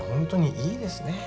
いいですね。